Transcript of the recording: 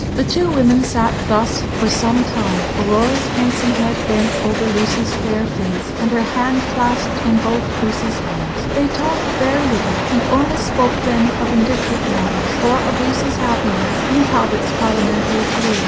The two women sat thus for some time, Aurora's handsome head bent over Lucy's fair face, and her hand clasped in both Lucy's hands. They talked very little, and only spoke then of indifferent matters, or of Lucy's happiness and Talbot's parliamentary career.